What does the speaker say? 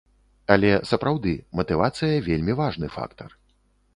Але, сапраўды, матывацыя, вельмі важны фактар.